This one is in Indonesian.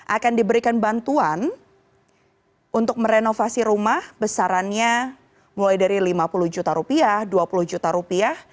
akan diberikan bantuan untuk merenovasi rumah besarannya mulai dari lima puluh juta rupiah dua puluh juta rupiah